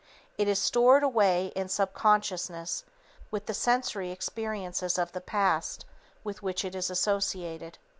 _ It is stored away in subconsciousness with the sensory experiences of the past with which it is associated.